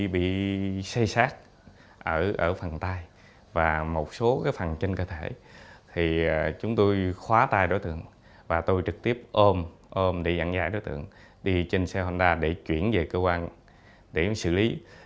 đi xây xác ở phần tai và một số phần trên cơ thể chúng tôi khóa tai đối tượng và tôi trực tiếp ôm để dặn dạy đối tượng đi trên xe honda để chuyển về cơ quan để xử lý